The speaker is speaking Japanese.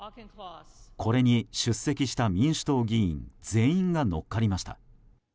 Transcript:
これに出席した民主党議員全員が乗っかりました。